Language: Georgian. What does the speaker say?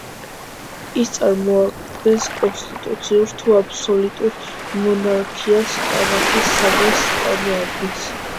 ის წარმოადგენს კონსტიტუციურ თუ აბსოლუტურ მონარქიას კამათის საგანს წარმოადგენს.